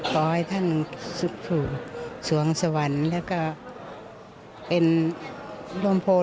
ขอให้ท่านสุขภูมิสวงศวรรษและร่มโภครุมใสของ